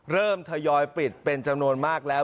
ทยอยปิดเป็นจำนวนมากแล้ว